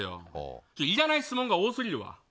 いらない質問が多すぎるわ。